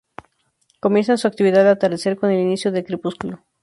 Comienzan su actividad al atardecer, con el inicio del crepúsculo.